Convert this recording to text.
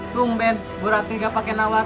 tunggu ben bu ratih tidak pakai nawar